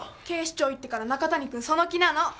警視庁行ってから中谷君その気なの。